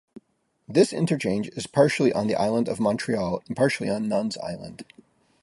This interchange is partially on the Island of Montreal and partially on Nuns' Island.